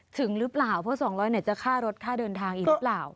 ถึงรึเปล่าเพราะสองร้อยเนี่ยจะฆ่ารถฆ่าเดินทางอีกรึเปล่า